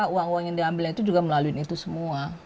uang uang yang diambil itu juga melalui itu semua